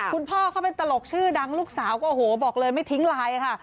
คุณพ่อเขาเป็นตลกชื่อดังลูกสาวก็โอ้โหบอกเลยไม่ทิ้งไลน์ค่ะ